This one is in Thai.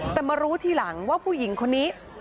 แต่มารู้ทีหลังว่าผู้หญิงคนนี้